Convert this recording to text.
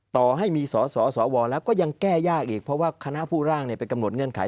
ต่อให้มีสสวแล้วก็ยังแก้ยากอีกเพราะว่าคณะผู้ร่างไปกำหนดเงื่อนไข